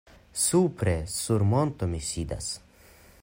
Supre, sur monto, mi sidas.